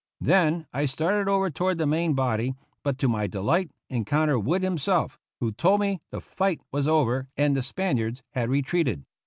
Then I started over toward the main body, but to my delight encountered Wood himself, who told me the fight was over and the Spaniards had retreated.